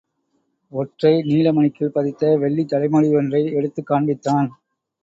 ஒற்றை நீலமணிக்கல் பதித்த வெள்ளித் தலைமுடியொன்றை யெடுத்துக் காண்பித்தான்.